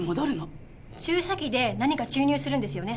注射器で何か注入するんですよね。